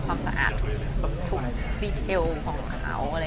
ความสะอาดทุกรายลักษณะของเขา